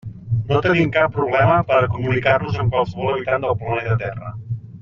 No tenim cap problema per a comunicar-nos amb qualsevol habitant del planeta Terra.